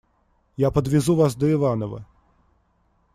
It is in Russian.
Я подвезу вас до Иваново.